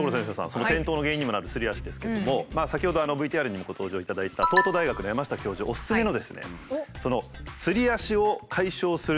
その転倒の原因にもなるすり足ですけれども先ほどＶＴＲにもご登場いただいた東都大学の山下教授おすすめのですねいいじゃないですか！